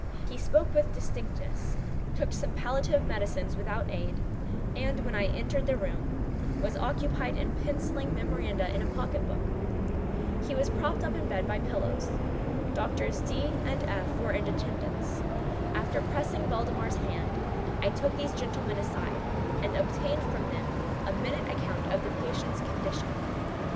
He spoke with distinctness—took some palliative medicines without aid—and, when I entered the room, was occupied in penciling memoranda in a pocket book. He was propped up in the bed by pillows. Doctors D—— and F—— were in attendance. After pressing Valdemar's hand, I took these gentlemen aside, and obtained from them a minute account of the patient's condition.